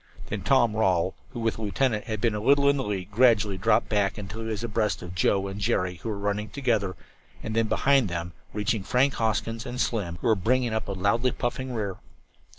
Then Tom Rawle, who, with the lieutenant, had been a little in the lead, gradually dropped back until he was abreast of Joe and Jerry, who were running together, and then behind them, reaching Frank Hoskins and Slim, who were bringing up a loudly puffing rear.